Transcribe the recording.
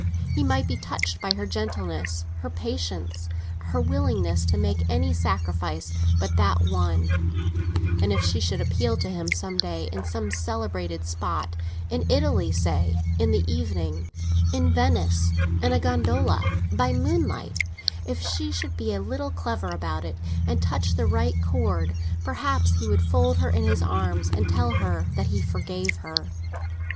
He might be touched by her gentleness, her patience, her willingness to make any sacrifice but that one; and if she should appeal to him some day, in some celebrated spot—in Italy, say, in the evening; in Venice, in a gondola, by moonlight—if she should be a little clever about it and touch the right chord, perhaps he would fold her in his arms and tell her that he forgave her.